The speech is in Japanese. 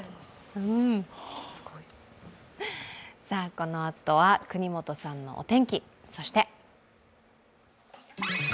このあとは國本さんのお天気。